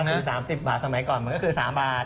หนึ่ง๓๐บาทสมัยก่อนมันก็คือ๓บาท